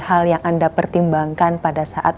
hal yang anda pertimbangkan pada saat